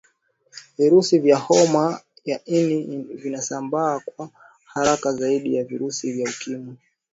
virusi vya homa ya ini vinasambaa kwa haraza zaidi ya virusi vya ukimwi